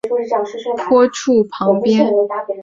洗手间则位于月台外的单车停泊处旁边。